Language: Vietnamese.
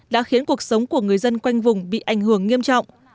đã khiến cuộc sống của người dân quanh vùng bị ảnh hưởng nghiêm trọng